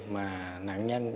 mà nạn nhân